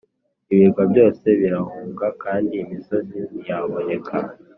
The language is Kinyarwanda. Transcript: Ibirwa byose birahunga kandi imisozi ntiyaboneka.